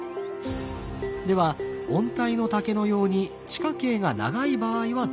では温帯の竹のように地下茎が長い場合はどうでしょう？